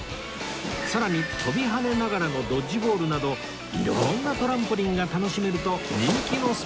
さらに飛び跳ねながらのドッジボールなど色んなトランポリンが楽しめると人気のスポットなんです